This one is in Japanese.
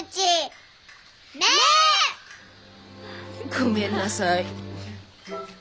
ごめんなさい。